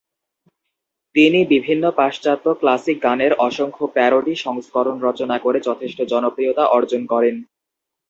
তিনি বিভিন্ন পাশ্চাত্য ক্লাসিক গানের অসংখ্য "প্যারোডি" সংস্করণ রচনা করে যথেষ্ট জনপ্রিয়তা অর্জন করেন।